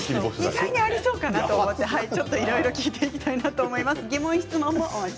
意外とありそうかなと思ってちょっと聞いていきたいと思います。